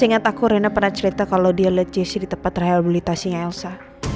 seingat aku rena pernah cerita kalau dia liat jessy di tempat terakhir beli tasi nga elsa